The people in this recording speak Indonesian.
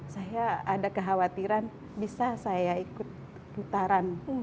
saya ada kekhawatiran bisa saya ikut putaran